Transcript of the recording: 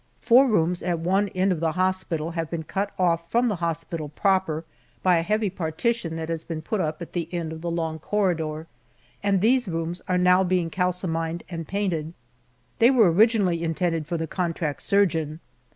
Four rooms at one end of the hospital have been cut off from the hospital proper by a heavy partition that has been put up at the end of the long corridor, and these rooms are now being calcimined and painted. They were originally intended for the contract surgeon.